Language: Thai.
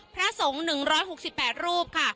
พระสงฆ์๑๖๘รูปค่ะ